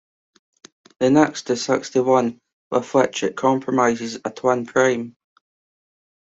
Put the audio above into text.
The next is sixty-one, with which it comprises a twin prime.